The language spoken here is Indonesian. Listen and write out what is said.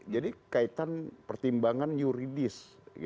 jadi kaitan pertimbangan yuridis